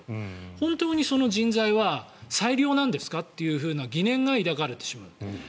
本当にその人材は最良なんですかという疑念が抱かれてしまう。